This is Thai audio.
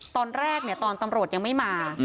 ตอนแรกตอนตำรวจยังไม่มา